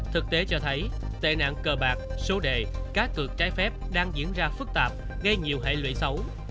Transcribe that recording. thực tế cho thấy tệ nạn cờ bạc số đề cá cược trái phép đang diễn ra phức tạp gây nhiều hệ lụy xấu